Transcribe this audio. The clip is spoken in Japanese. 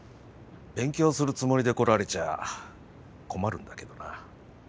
勉強するつもりで来られちゃ困るんだけどな。